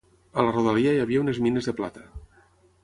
A la rodalia hi havia unes mines de plata.